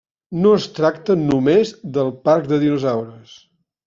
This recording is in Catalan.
No es tracta només del parc de dinosaures.